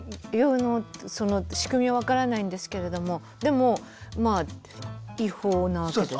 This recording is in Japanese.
あのその仕組みは分からないんですけれどもでもまあ違法なわけですよね。